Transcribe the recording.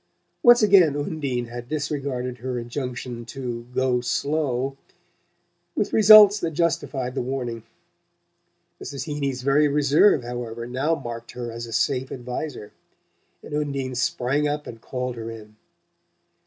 Once again Undine had disregarded her injunction to "go slow," with results that justified the warning. Mrs. Heeny's very reserve, however, now marked her as a safe adviser; and Undine sprang up and called her in.